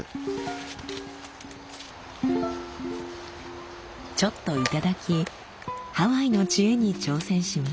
ちょっと頂きハワイの知恵に挑戦します。